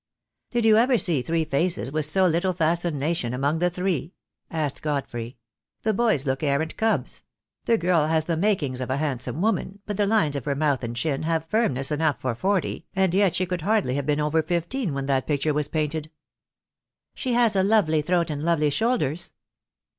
"Did you ever see three faces with so little fascina tion among the three?" asked Godfrey; "the boys look arrant cubs; the girl has the makings of a handsome wo man, but the lines of her month and chin have firmness enough for forty, and yet she could hardly have been over fifteen when that picture was painted." "She has a lovely throat and lovely shoulders."